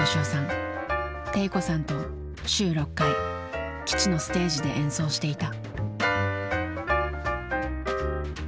悌子さんと週６回基地のステージで演奏していた。